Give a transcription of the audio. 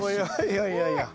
いやいやいやいや。